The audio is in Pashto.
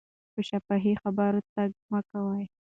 په شفاهي خبرو تکیه مه کوئ.